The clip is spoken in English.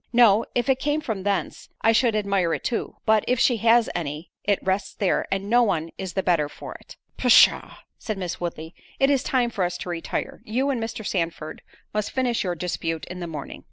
"No, if it came from thence, I should admire it too; but, if she has any, it rests there, and no one is the better for it." "Pshaw!" said Miss Woodley, "it is time for us to retire; you and Mr. Sandford must finish your dispute in the morning."